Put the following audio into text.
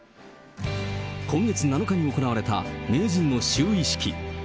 今月７日に行われた名人の就位式。